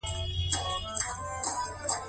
انیلا وخندل او په طنز یې خبرې وکړې